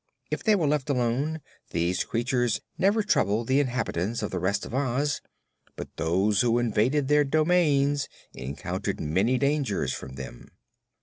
If they were left alone, these creatures never troubled the inhabitants of the rest of Oz, but those who invaded their domains encountered many dangers from them.